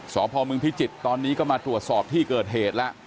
สพมพิจิตรตอนนี้ก็มาตรวจสอบที่เกิดเหตุแล้ว